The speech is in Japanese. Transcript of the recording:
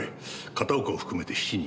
片岡を含めて７人。